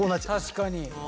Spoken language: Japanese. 確かに。